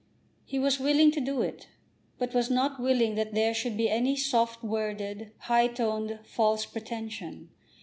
He was willing to do it, but was not willing that there should be any soft worded, high toned false pretension.